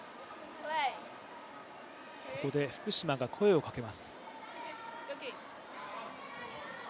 ここで福島が声をかけます。